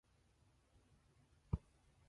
He also served at the State Fiscal Service in Kyiv.